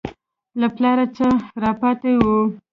له پلاره څه راپاته وو.